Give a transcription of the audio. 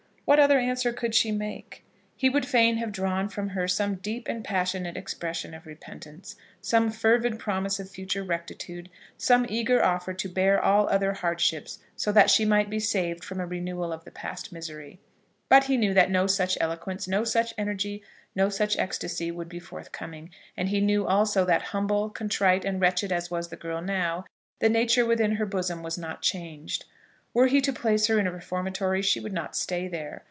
What other answer could she make? He would fain have drawn from her some deep and passionate expression of repentance, some fervid promise of future rectitude, some eager offer to bear all other hardships, so that she might be saved from a renewal of the past misery. But he knew that no such eloquence, no such energy, no such ecstacy, would be forthcoming. And he knew, also, that humble, contrite, and wretched as was the girl now, the nature within her bosom was not changed. Were he to place her in a reformatory, she would not stay there.